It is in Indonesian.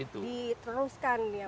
diteruskan ya pak